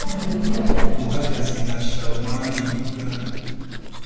uhagaze, nka charlemagne yubwami,